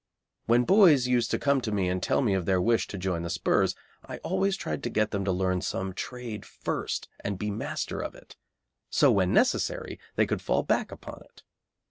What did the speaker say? When boys used to come to me and tell me of their wish to join the 'Spurs I always tried to get them to learn some trade first and be master of it, so when necessary they could fall back upon it.